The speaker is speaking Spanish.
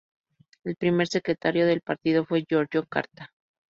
El primer secretario del partido fue Giorgio Carta.